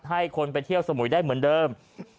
ให้คนไปเที่ยวสมุยได้เหมือนเดิม